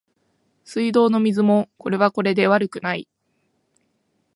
水道の水もこれはこれで悪くない